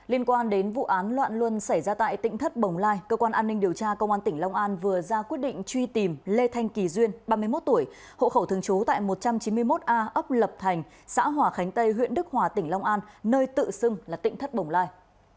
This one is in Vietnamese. liên quan đến vụ án loạn luân xảy ra tại tỉnh thất bồng lai cơ quan an ninh điều tra công an tỉnh long an vừa ra quyết định truy tìm lê thanh kỳ duyên ba mươi một tuổi hộ khẩu thường trú tại một trăm chín mươi một a ấp lập thành xã hòa khánh tây huyện đức hòa tỉnh long an nơi tự xưng là tỉnh thất bồng lai